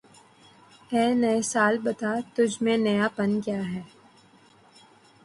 اے نئے سال بتا، تُجھ میں نیا پن کیا ہے؟